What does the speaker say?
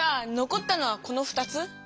こったのはこの２つ？